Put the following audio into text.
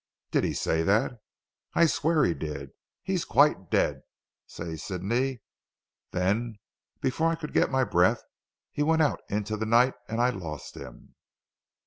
'" "Did he say that?" I swear he did, "He's quite dead," says Sidney, "then before I could get my breath he went out into the night, and I lost him.